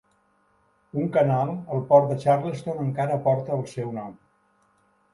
Un canal al port de Charleston encara porta el seu nom.